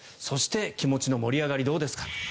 そして、気持ちの盛り上がりはどうですか？